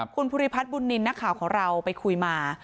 คุณภูริพัฒน์บุญนินทร์นักข่าวของเราไปคุยมา